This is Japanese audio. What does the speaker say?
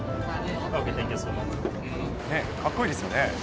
かっこいいですよね。